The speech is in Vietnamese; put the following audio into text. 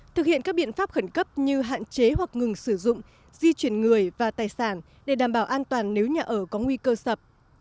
thực hiện các biện pháp khẩn cấp như hạn chế hoặc ngừng sử dụng di chuyển người và tài sản để đảm bảo an toàn nếu nhà ở có nguy cơ sập